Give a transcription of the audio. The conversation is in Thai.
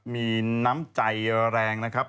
มีน้ำใจแรงนะครับ